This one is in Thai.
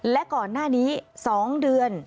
และก่อนหน้านี้๒เดือน